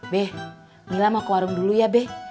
beh mila mau ke warung dulu ya be